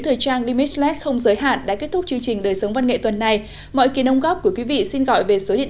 trang limitless đã làm mặt trong đêm trình diễn